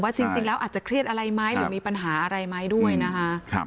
จริงแล้วอาจจะเครียดอะไรไหมหรือมีปัญหาอะไรไหมด้วยนะคะ